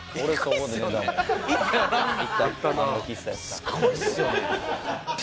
すごいですよね。